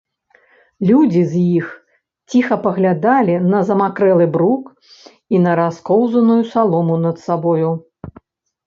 Людзі з іх ціха паглядалі на замакрэлы брук і на раскоўзаную салому над сабою.